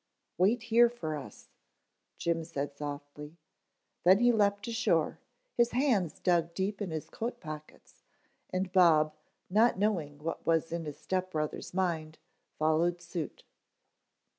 "Wait here for us," Jim said softly. Then he leaped ashore, his hands dug deep in his coat pockets, and Bob, not knowing what was in his step brother's mind, followed suit.